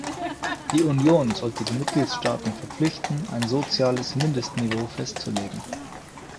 Die Union sollte die Mitgliedstaaten verpflichten, ein soziales Mindestniveau festzulegen.